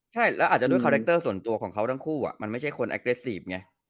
ใช่แล้วอาจจะด้วยคาแรคเตอร์ส่วนตัวของเขาทั้งคู่มันไม่ใช่คนแอคเกรสซีฟไง